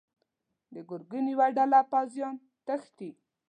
د ګرګين يوه ډله پوځيان تښتي.